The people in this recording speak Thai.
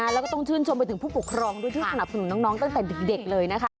แล้วก็ต้องชื่นชมไปถึงผู้ปกครองด้วยที่สนับสนุนน้องตั้งแต่เด็กเลยนะคะ